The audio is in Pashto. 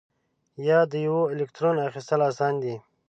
یا د یوه الکترون اخیستل آسان دي؟